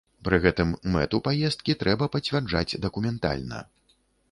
Пры гэтым мэту паездкі трэба пацвярджаць дакументальна.